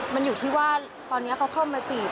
มันอยู่ที่ว่าตอนนี้เขาเข้ามาจีบ